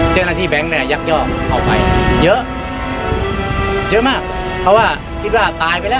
เจ้าหน้าที่แบงค์เนี่ยยักย่อเอาไปเยอะเยอะมากเพราะว่าคิดว่าตายไปแล้ว